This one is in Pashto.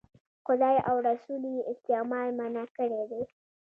خدای او رسول یې استعمال منع کړی دی.